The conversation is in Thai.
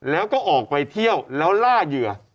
แล้วก็ออกไปเที่ยวแล้วล่าเหยื่อ